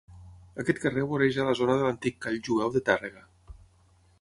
Aquest carrer voreja la zona de l'antic call jueu de Tàrrega.